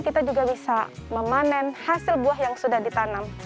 kita juga bisa memanen hasil buah yang sudah ditanam